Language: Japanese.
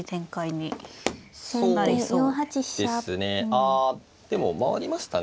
ああでも回りましたね。